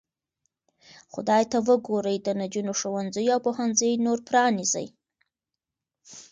خدای ته وګورئ د نجونو ښوونځي او پوهنځي نور پرانیزئ.